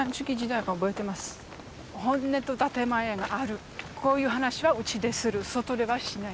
本音と建て前があるこういう話はうちでする外ではしない。